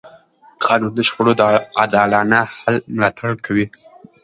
قانون د شخړو د عادلانه حل ملاتړ کوي.